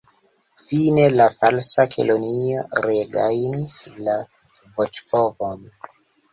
Fine la Falsa Kelonio regajnis la voĉpovon.